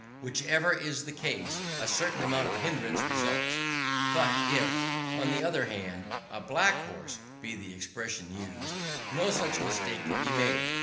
Whichever is the case, a certain amount of hindrance results. But if, on the other hand, "a black horse" be the expression used, no such mistake can be made.